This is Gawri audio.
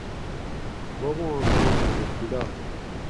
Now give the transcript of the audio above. بوباں نام حضرت بلال